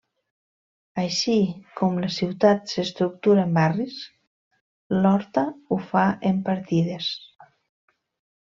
Així com la ciutat s'estructura en barris, l'Horta ho fa en partides.